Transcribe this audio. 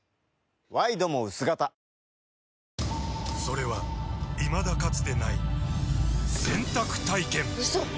ワイドも薄型それはいまだかつてない洗濯体験‼うそっ！